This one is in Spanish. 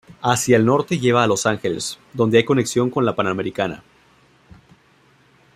Hacía el Norte lleva a Los Ángeles, donde hay conexión con la Panamericana.